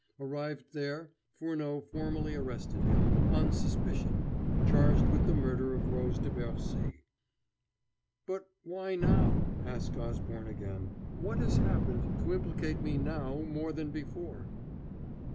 Arrived there, Furneaux formally arrested him, "on suspicion," charged with the murder of Rose de Bercy. "But why now?" asked Osborne again. "What has happened to implicate me now more than before?"